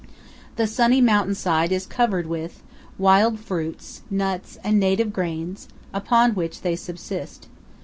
The sunny mountain side is covered with: wild fruits, nuts, and native grains, upon which they subsist.